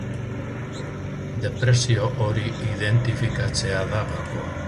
Depresio hori identifikatzea da gakoa.